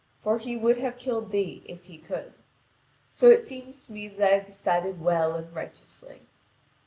For he would have killed thee, if he could. So it seems to me that I have decided well and righteously."